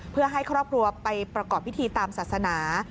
เพื่อให้ครอบครัวไปประกอบพิธีตามศาสนา